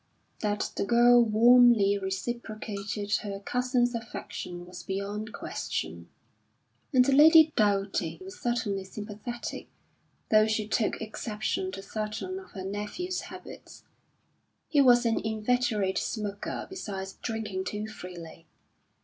That the girl warmly reciprocated her cousin's affection was beyond question, and Lady Doughty was certainly sympathetic though she took exception to certain of her nephew's habits. He was an inveterate smoker besides drinking too freely.